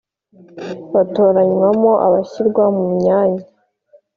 Batoranywamo abashyirwa mu myanya